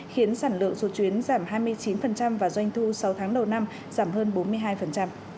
khiến sản lượng số chuyến giảm hai mươi chín và doanh thu sáu tháng đầu năm giảm hơn bốn mươi hai